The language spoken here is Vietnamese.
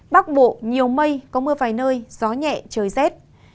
bắc bộ nhiều mây có mưa vài nơi gió nhẹ trời rét